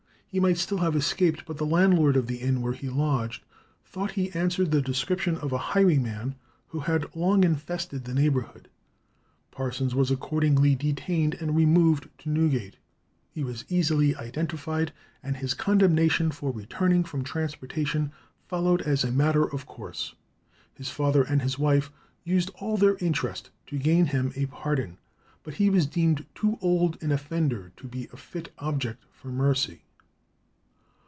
He might still have escaped, but the landlord of the inn where he lodged thought he answered the description of a highwayman who had long infested the neighbourhood. Parsons was accordingly detained and removed to Newgate. He was easily identified, and his condemnation for returning from transportation followed as a matter of course. His father and his wife used all their interest to gain him a pardon, but he was deemed too old an offender to be a fit object for mercy.